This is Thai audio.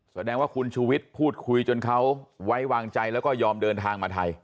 แสดงว่าคุณชูวิทย์พูดคุยจนเขาไว้วางใจแล้วก็ยอมเดินทางมาไทย